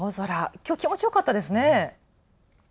きょう気持ちよかったですね。